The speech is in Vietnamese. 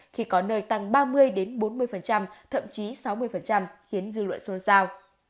khi có nơi tăng ba mươi bốn mươi thậm chí sáu mươi khiến dư luận xôn xao